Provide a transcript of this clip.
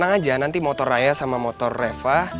senang aja nanti motor raya sama motor reva